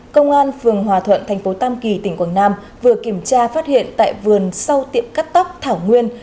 công an phường hòa thuận thành phố tam kỳ tỉnh quảng nam vừa kiểm tra phát hiện tại vườn sau tiệm cắt tóc thảo nguyên